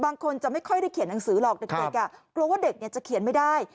บางคนจะไม่ค่อยได้เขียนหนังสือหรอกเด็กกลัวว่าเด็กจะเขียนไม่ได้